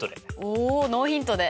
おおノーヒントで！